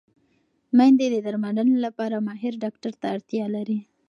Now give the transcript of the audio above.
مېندې د درملنې لپاره ماهر ډاکټر ته اړتیا لري.